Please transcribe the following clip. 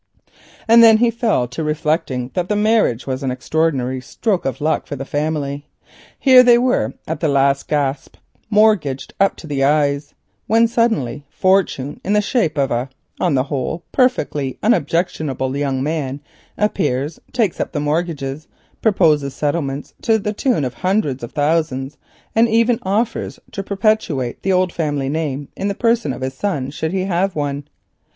And then he fell to reflecting that this marriage would be an extraordinary stroke of luck for the family. Here they were at the last gasp, mortgaged up the eyes, when suddenly fortune, in the shape of an, on the whole, perfectly unobjectionable young man, appears, takes up the mortgages, proposes settlements to the tune of hundreds of thousands, and even offers to perpetuate the old family name in the person of his son, should he have one.